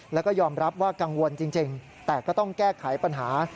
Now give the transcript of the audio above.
แล้วก็ยอมรับว่ากังวลจริงแต่ก็ต้องแก้ไขปัญหา